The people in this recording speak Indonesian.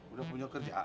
udah punya kerjaan